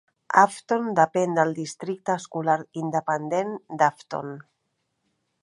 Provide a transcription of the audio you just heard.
Afton depèn del districte escolar independent d'Afton.